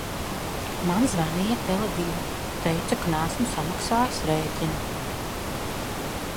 Man zvan?ja Tele divi. Teica, ka neesmu samaks?jis r??inu.